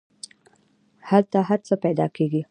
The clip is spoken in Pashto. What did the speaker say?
هلته هر څه پیدا کیږي.